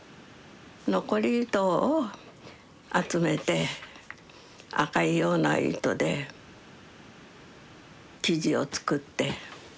残り糸を集めて赤いような糸で生地を作って。